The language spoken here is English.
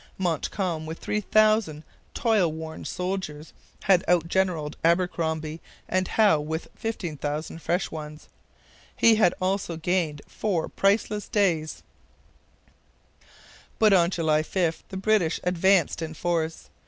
Montcalm, with 3,000 toil worn soldiers, had out generalled Abercromby and Howe with 15,000 fresh ones. He had also gained four priceless days. But on July 5 the British advanced in force.